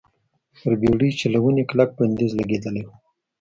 پر بېړۍ چلونې کلک بندیز لګېدلی و.